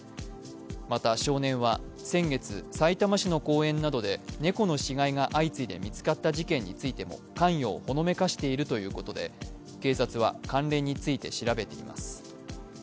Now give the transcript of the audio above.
また、少年は先月、さいたま市の公園などで猫の死骸が相次いで見つかった事件についても関与をほのめかしているということで、警察は関連について調べています。